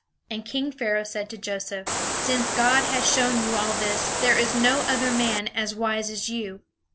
And king Pharaoh said to Joseph: "Since God has shown you all this, there is no other man as wise as you.